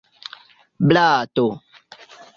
blato